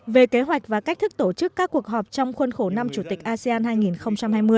về kế hoạch và cách thức tổ chức các cuộc họp trong khuôn khổ năm chủ tịch asean hai nghìn hai mươi